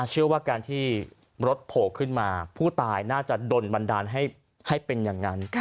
เชื่อว่าการที่รถโผล่ขึ้นมาผู้ตายน่าจะโดนบันดาลให้เป็นอย่างนั้น